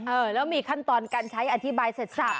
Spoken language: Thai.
เออแล้วมีขั้นตอนการใช้อธิบายเสร็จสับ